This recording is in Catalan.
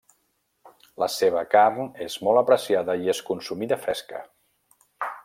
La seva carn és molt apreciada i és consumida fresca.